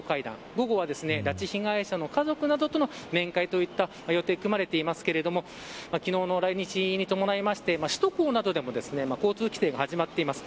午後は拉致被害者の家族などとの面会といった予定が組まれていますが昨日の来日に伴いまして首都高などでも交通規制が始まっています。